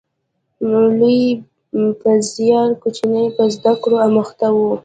لوی په زیار، کوچنی په زده کړه اموخته و